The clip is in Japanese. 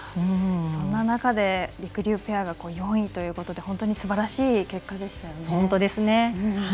そんな中りくりゅうペアが４位ということで本当にすばらしい結果でしたね。